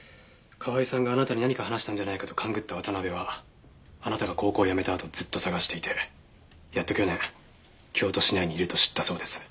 河合さんがあなたに何か話したんじゃないかと勘ぐった渡辺はあなたが高校を辞めたあとずっと捜していてやっと去年京都市内にいると知ったそうです。